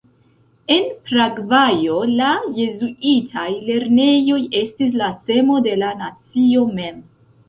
En Paragvajo, la jezuitaj lernejoj estis la semo de la nacio mem.